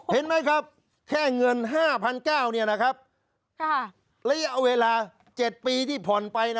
เห็นไหมครับแค่เงิน๕๙๐๐ระยะเวลา๗ปีที่ผ่อนไป